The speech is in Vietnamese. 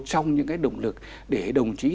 trong những cái động lực để đồng chí